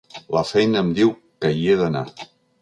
La feina em diu que hi he d’anar.